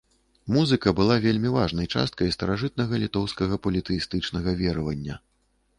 Музыка была вельмі важнай часткай старажытнага літоўскага політэістычнага веравання.